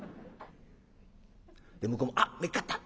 で向こうも「あっめっかった。